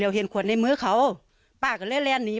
ภรรยาก็บอกว่านายเทวีอ้างว่าไม่จริงนายทองม่วนขโมย